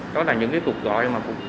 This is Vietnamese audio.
đó là những cái cuộc gọi